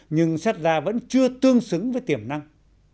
nhưng xét ra vẫn chưa tương xứng với tiềm năng